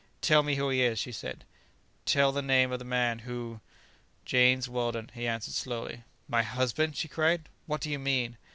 "Tell me who he is!" she said; "tell the name of the man who ..." "James Weldon," he answered slowly. "My husband!" she cried; "what do you mean?"